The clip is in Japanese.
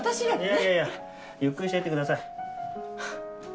いやいやいやゆっくりしてってください。